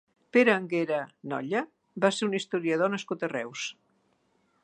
Pere Anguera Nolla va ser un historiador nascut a Reus.